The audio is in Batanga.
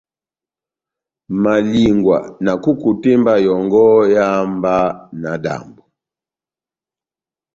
Malingwa na kukutemba yɔngɔ eháhá mba náhádambo.